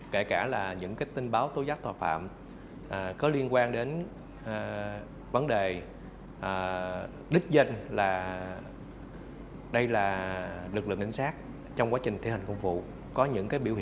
kể cả những tin báo tố giác thỏa phạm có liên quan đến vấn đề đích dân